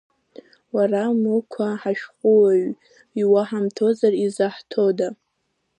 Уара, Мықәаа ҳашәҟәыҩҩы иуаҳамҭозар изаҳҭода…